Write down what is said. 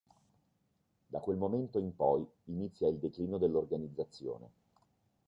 Da quel momento in poi inizia il declino dell'organizzazione.